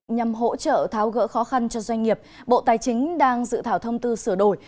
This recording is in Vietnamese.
nhằm hỗ trợ tháo gỡ khó khăn cho doanh nghiệp bộ tài chính đang dự thảo thông tư sửa đổi